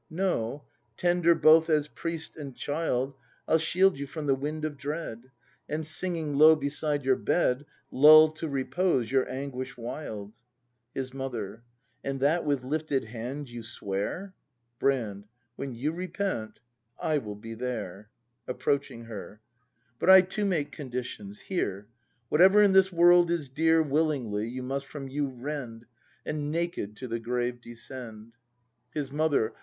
No, tender both as priest and child I'll shield you from the wind of dread. And singing low beside your bed Lull to repose your anguish wild. His Mother. And that with lifted hand you swear? 94 BRAND [act ii Brand. When you repent I will be there. [Approaching Iter.] But I too make conditions. Hear. Whatever in this world is dear Willingly you must from you rend. And naked to the grave descend. His Mother.